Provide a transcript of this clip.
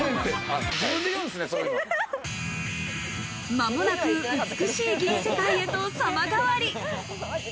間もなく美しい銀世界へと様変わり。